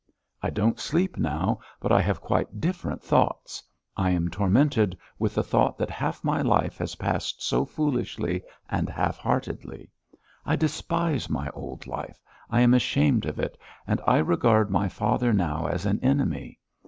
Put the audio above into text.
I don't sleep now, but I have quite different thoughts. I am tormented with the thought that half my life has passed so foolishly and half heartedly. I despise my old life. I am ashamed of it. And I regard my father now as an enemy.